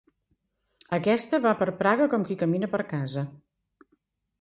Aquesta va per Praga com qui camina per casa.